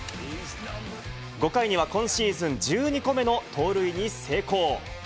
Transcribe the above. ５回には今シーズン１２個目の盗塁に成功。